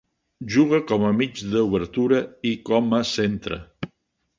Juga com a mig d'obertura i com a centre.